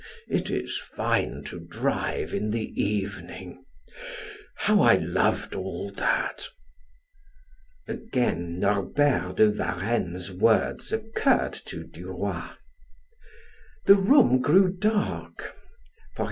It is fine to drive in the evening. How I loved all that." Again Norbert de Varenne's words occurred to Duroy. The room grew dark.